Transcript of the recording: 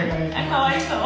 かわいそう。